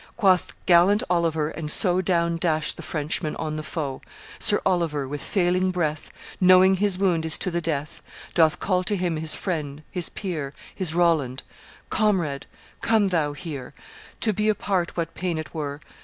Quoth gallant Oliver; and so Down dash the Frenchmen on the foe. ... Sir Oliver with failing breath, Knowing his wound is to the death, Doth call to him his friend, his peer, His Roland: 'Comrade, come thou here; To be apart what pain it were!